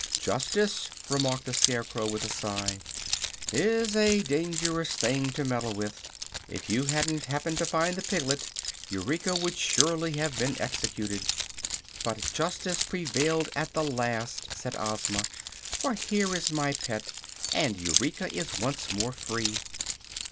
"Justice," remarked the Scarecrow, with a sigh, "is a dangerous thing to meddle with. If you hadn't happened to find the piglet, Eureka would surely have been executed." "But justice prevailed at the last," said Ozma, "for here is my pet, and Eureka is once more free."